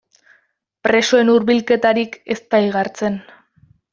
Presoen hurbilketarik ez da igartzen.